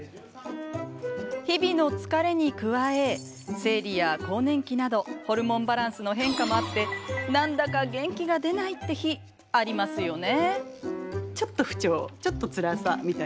日々の疲れに加え生理や更年期などホルモンバランスの変化もあってなんだか元気が出ないって日ありますよね？